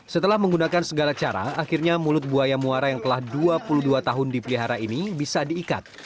setelah menggunakan segala cara akhirnya mulut buaya muara yang telah dua puluh dua tahun dipelihara ini bisa diikat